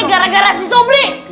nih gara gara si sobri